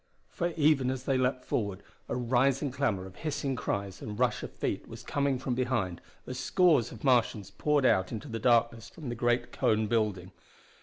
For even as they leaped forward a rising clamor of hissing cries and rush of feet was coming from behind as scores of Martians poured out into the darkness from the great cone building.